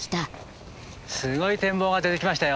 すごい展望が出てきましたよ。